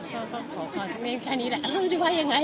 พ่อก็ขอขอสมินแค่นี้แหละว่าจะเป็นยังไง